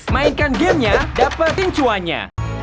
mainkan gamenya dapat incuannya